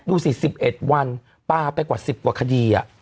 ๑๑วันปลาไปกว่า๑๐กว่าคดี